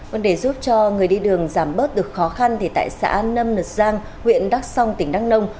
vấn đề giúp cho người đi đường giảm bớt được khó khăn thì tại xã nâm nật giang huyện đắc song tỉnh đăng nông